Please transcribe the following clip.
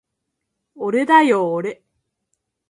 おれだよおれ